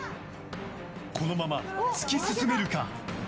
このまま突き進めるか？